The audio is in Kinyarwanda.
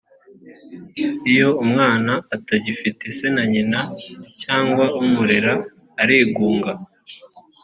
iyo umwana atagifite se na nyina cyangwa umurera arigunga